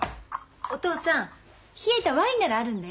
お父さん冷えたワインならあるんだよ。